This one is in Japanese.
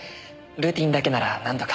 ルーティンだけならなんとか。